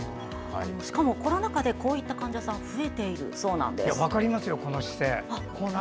しかも、コロナ禍でこういった患者さん油断するとこうなりますよ。